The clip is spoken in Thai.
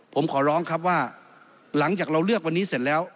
ผมขอร้องครับว่าหลังจากเราเลือกวันนี้เสร็จแล้ว